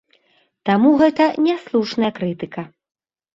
Таму гэта няслушная крытыка.